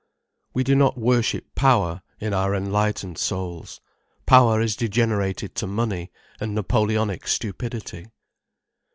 We do not worship power, in our enlightened souls. Power is degenerated to money and Napoleonic stupidity.